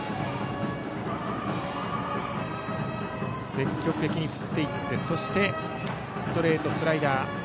積極的に振っていってそして、ストレート、スライダー。